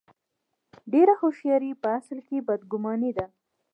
ډېره هوښیاري په اصل کې بد ګماني ده.